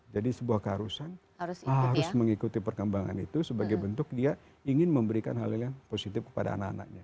jadi sebuah keharusan harus mengikuti perkembangan itu sebagai bentuk dia ingin memberikan hal hal yang positif kepada anak